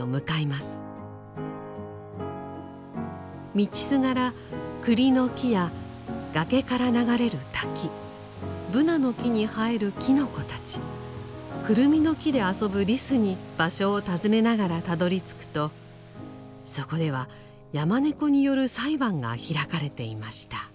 道すがら栗の木や崖から流れる滝ぶなの木に生えるきのこたちくるみの木で遊ぶリスに場所を尋ねながらたどりつくとそこでは山猫による裁判が開かれていました。